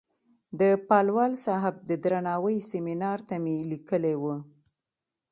د پالوال صاحب د درناوۍ سیمینار ته مې لیکلې وه.